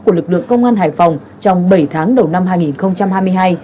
của lực lượng công an hải phòng trong bảy tháng đầu năm hai nghìn hai mươi hai